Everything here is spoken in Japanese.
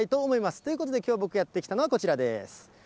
ということで、きょう、僕がやって来たのはこちらです。